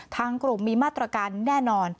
ทางกลุ่มมีมาตรการแน่นอน